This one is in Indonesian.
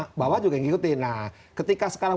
di bawah juga mengikuti nah ketika sekarang